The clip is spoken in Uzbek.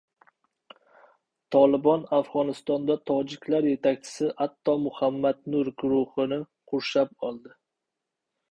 "Tolibon" Afg‘onistonda tojiklar yetakchisi Atto Muhammad Nur guruhini qurshab oldi